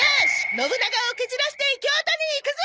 信長を蹴散らして京都に行くぞ！